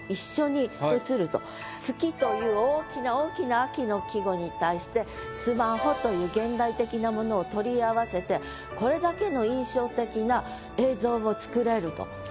「月」という大きな大きな秋の季語に対して「スマホ」という現代的なものを取り合わせてこれだけの。